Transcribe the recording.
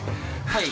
はい。